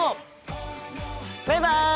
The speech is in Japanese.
バイバイ！